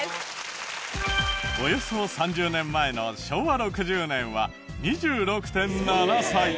およそ３０年前の昭和６０年は２６．７歳。